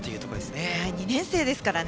２年生ですからね。